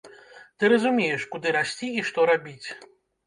Ты разумееш, куды расці і што рабіць.